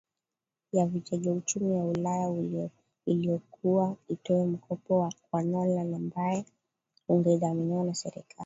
ya Vitega Uchumi ya Ulaya iliyokuwa itoe mkopo kwa Nolan ambao ungedhaminiwa na Serikali